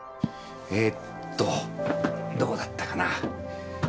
えっとどこだったかな？